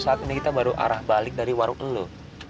saat ini kita baru arah balik dari warung eluh